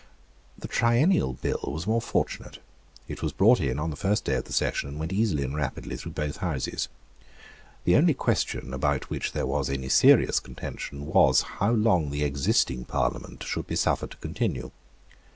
The Triennial Bill was more fortunate. It was brought in on the first day of the session, and went easily and rapidly through both Houses. The only question about which there was any serious contention was, how long the existing Parliament should be suffered to continue.